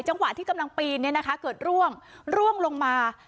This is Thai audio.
จังหวัดที่กำลังปีนเนี้ยนะคะเกิดร่วงร่วงลงมา